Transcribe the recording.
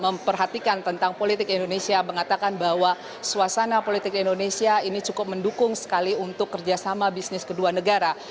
memperhatikan tentang politik indonesia mengatakan bahwa suasana politik indonesia ini cukup mendukung sekali untuk kerjasama bisnis kedua negara